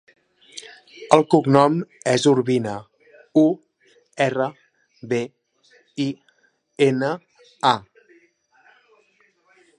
El cognom és Urbina: u, erra, be, i, ena, a.